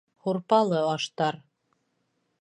Һурпалы аштар